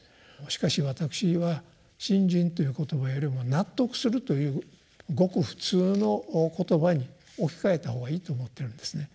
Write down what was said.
しかし私は「信心」という言葉よりも「納得する」というごく普通の言葉に置き換えた方がいいと思っているんですね。